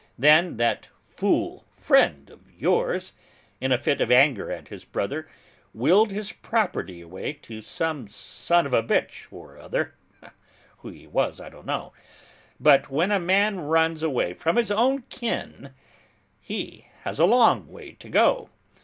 Then that fool friend of yours, in a fit of anger at his brother, willed his property away to some son of a bitch or other, who he was, I don't know, but when a man runs away from his own kin, he has a long way to go!